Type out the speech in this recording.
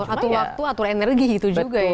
atur waktu atur energi gitu juga ya